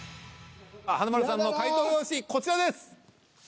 華丸さんの解答用紙こちらです！